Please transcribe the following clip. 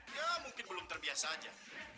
ya mungkin belum terbiasa aja